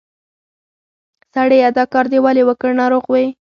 سړیه! دا کار دې ولې وکړ؟ ناروغ وې؟